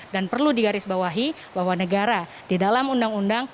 dan perlu digarisbawahi bahwa negara di dalam undang undang